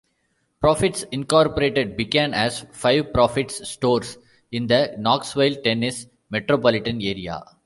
Proffitt's Incorporated began as five Proffitt's stores in the Knoxville, Tennessee metropolitan area.